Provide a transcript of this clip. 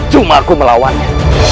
cuma aku melawannya